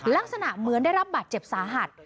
ลักษณะเหมือนได้รับบาดเจ็บสาหัส